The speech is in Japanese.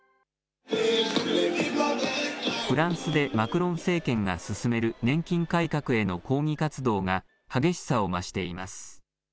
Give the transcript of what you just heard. フランスでマクロン政権が進める年金改革への抗議活動が激しさを増しています。